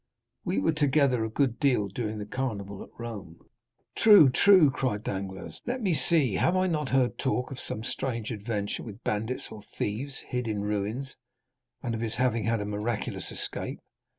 "We were together a good deal during the Carnival at Rome." "True, true," cried Danglars. "Let me see; have I not heard talk of some strange adventure with bandits or thieves hid in ruins, and of his having had a miraculous escape?